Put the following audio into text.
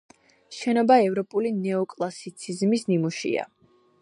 შენობა ევროპული ნეოკლასიციზმის ნიმუშია.